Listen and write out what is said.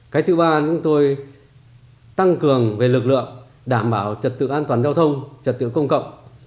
cái thứ ba chúng tôi tăng cường về lực lượng đảm bảo trật tự an toàn giao thông trật tự công cộng